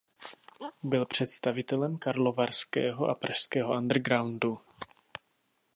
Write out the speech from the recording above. Byl představitelem karlovarského a pražského undergroundu.